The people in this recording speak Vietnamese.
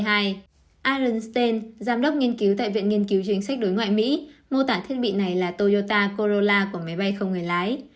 aaron stein giám đốc nghiên cứu tại viện nghiên cứu chính sách đối ngoại mỹ mô tả thiết bị này là toyota corolla của máy bay không người lái